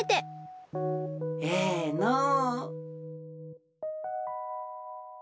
ええのう。